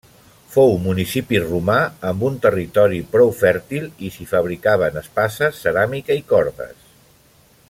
Fou municipi romà amb un territori prou fèrtil i si fabricaven espases, ceràmica i cordes.